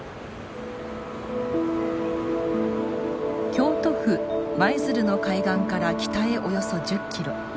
京都府舞鶴の海岸から北へおよそ１０キロ。